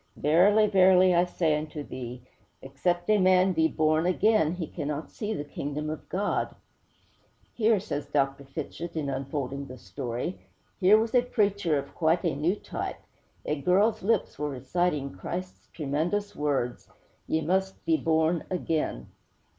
'Verily, verily, I say unto thee, except a man be born again, he cannot see the Kingdom of God!' 'Here,' says Dr. Fitchett, in unfolding the story, 'here was a preacher of quite a new type! A girl's lips were reciting Christ's tremendous words: "_Ye must be born again!